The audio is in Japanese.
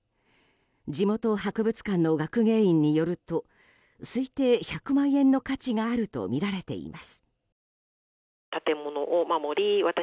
地元博物館の学芸員によると推定１００万円の価値があるとみられています。